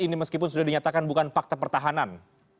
ini meskipun sudah dinyatakan bukan fakta pertahanan